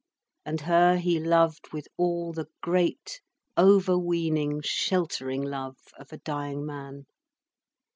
And her he loved with all the great, overweening, sheltering love of a dying man.